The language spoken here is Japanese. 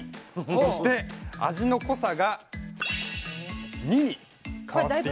そして味の濃さが２に変わっている